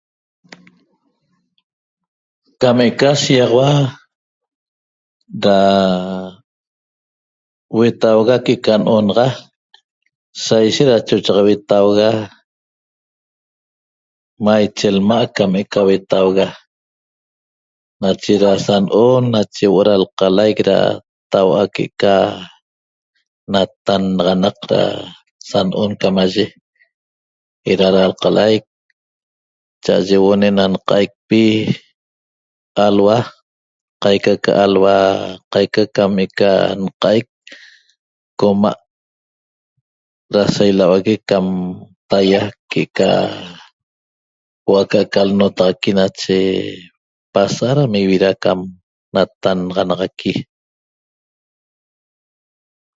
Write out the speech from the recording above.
Cam eca shiỹaxaua ra huetauga que'eca no'onaxa saishet da choche huetauga maiche lma' cam eca huetauga nache ra sano'on nache huo o' ra lqalaic ra taua' que'eca natannaxanaq da sano'on camaye era da lqalaic cha'aye huo'o ne'ena nqaicpi alhua qaica cam eca nqaic coma' da sailaua'ague cam taia que'eca huo'o aca'aca nnotaxaqui nache pasa' ra ivira cam natannaxanaxaqui